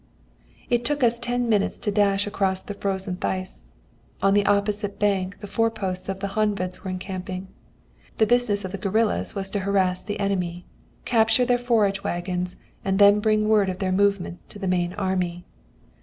"It took us ten minutes to dash across the frozen Theiss. On the opposite bank the foreposts of the Honveds were encamping. The business of the guerillas was to harass the enemy, capture their forage waggons, and then bring word of their movements to the main army.